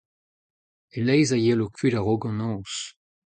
E-leizh a yelo kuit a-raok an noz.